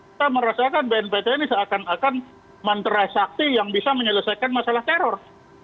kita merasakan bnpt ini seakan akan mantrai sakti yang bisa menyelesaikan masalah teror